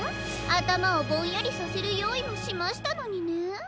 あたまをぼんやりさせるよういもしましたのにねえ。